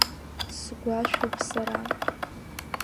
Сгәашәуп сара…